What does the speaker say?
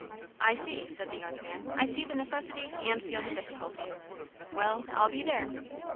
"I see!" said the young man. "I see the necessity, and feel the difficulty. Well, I'll be there."